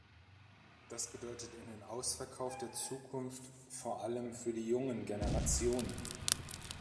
Das bedeutet einen Ausverkauf der Zukunft vor allem für die jungen Generationen.